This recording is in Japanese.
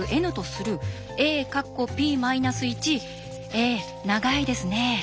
え長いですね。